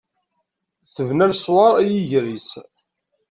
Tebna leṣwaṛ i yiger-is.